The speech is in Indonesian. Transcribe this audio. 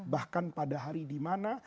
bahkan pada hari di mana